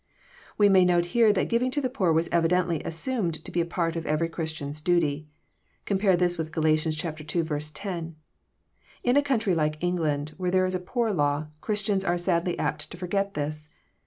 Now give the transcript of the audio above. We may note here that giving to the poor was evidently as sumed to be a part of every Christian's duty. Compare this with Gal. ii. 10. In a country like England, where there is a poor law. Christians are sadly apt to forget this.